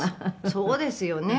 「そうですよね」